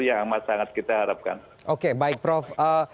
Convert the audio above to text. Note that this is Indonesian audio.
yang amat sangat kita harapkan oke baik prof